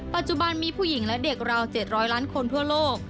ปัจจุบันมีผู้หญิงและเด็กราว๗๐๐ล้านคนทั่วโลก